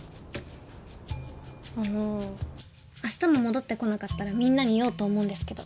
あの明日も戻ってこなかったらみんなに言おうと思うんですけど。